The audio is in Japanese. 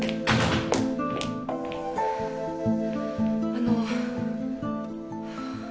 ・あの。